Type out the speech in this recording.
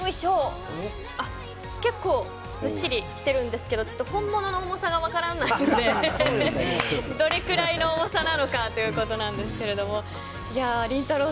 結構、ずっしりしてるんですけど本物の重さが分からないのでどれぐらいの重さなのかということなんですがりんたろー。